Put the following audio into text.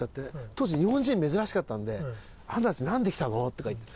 当時日本人珍しかったんで「あなたたちなんで来たの？」とか言って。